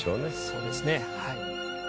そうですねはい。